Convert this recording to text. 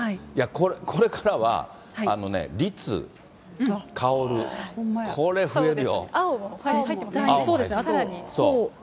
これからは律、薫、これ増えるよ。